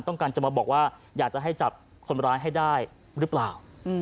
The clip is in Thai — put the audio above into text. ต้องการจะมาบอกว่าอยากจะให้จับคนร้ายให้ได้หรือเปล่า